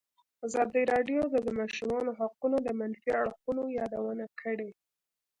ازادي راډیو د د ماشومانو حقونه د منفي اړخونو یادونه کړې.